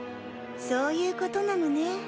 そういうことなのね。